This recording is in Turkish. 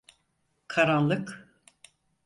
Karanlık!